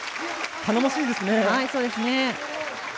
頼もしいですね。